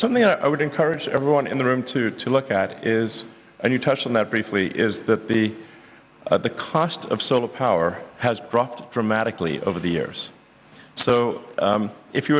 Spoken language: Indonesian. untuk mengurangkan harga desalinasi atau desalinasi kubik meter air